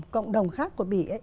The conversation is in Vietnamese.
cộng đồng khác của bỉ